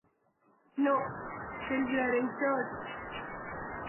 No, still wearing shirt.